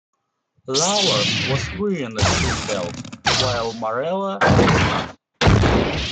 Lauer was wearing a seatbelt, while Marella was not.